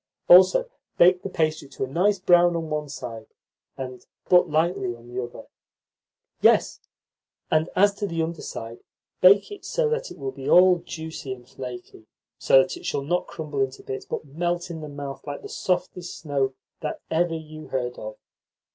Also, bake the pastry to a nice brown on one side, and but lightly on the other. Yes, and, as to the under side, bake it so that it will be all juicy and flaky, so that it shall not crumble into bits, but melt in the mouth like the softest snow that ever you heard of."